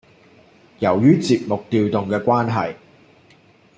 由於節目調動嘅關係